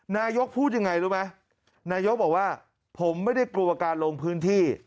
นายกพูดยังไงรู้ไหมนายกบอกว่าผมไม่ได้กลัวการลงพื้นที่